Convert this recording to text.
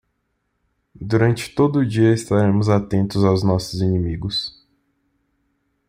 Durante todo o dia estaremos atentos aos nossos inimigos.